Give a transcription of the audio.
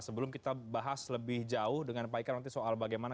sebelum kita bahas lebih jauh dengan pak ika nanti soal bagaimana